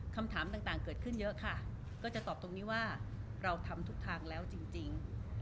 คำถามต่างเกิดขึ้นเยอะค่ะก็จะตอบตรงนี้ว่าเราทำทุกทางแล้วจริง